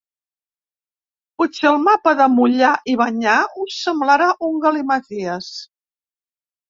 Potser el mapa de ‘mullar’ i ‘banyar’ us semblarà un galimaties.